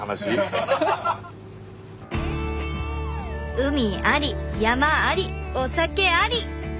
海あり山ありお酒あり！